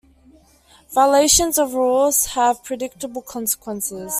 Violations of rules have predictable consequences.